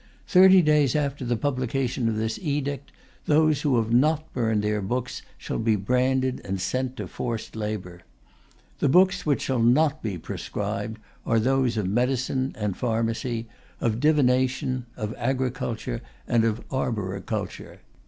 Thirty days after the publication of this edict, those who have not burned their books shall be branded and sent to forced labour. The books which shall not be proscribed are those of medicine and pharmacy, of divination ..., of agriculture and of arboriculture.